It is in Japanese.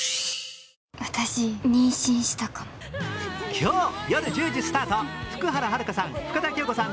今日、夜１０時スタート、福原遥さん、深田恭子さん